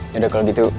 yaudah kalau gitu